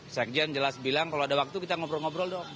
sekjen jelas bilang kalau ada waktu kita ngobrol ngobrol dong